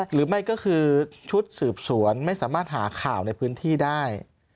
หรือไม่ก็คือชุดสืบสวนไม่สามารถหาข่าวในพื้นที่ได้